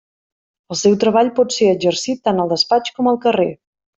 El seu treball pot ser exercit tant al despatx com al carrer.